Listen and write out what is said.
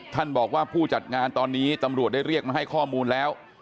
ท่านบอกว่าผู้จัดงานตอนนี้ตำรวจได้เรียกมาให้ข้อมูลแล้ว